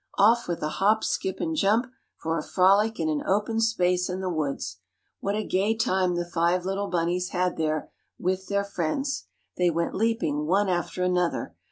Off with a hop, skip, and jump for a frolic in an open space in the woods! What a gay time the five little bunnies had there with their friends! They went leaping, one after another.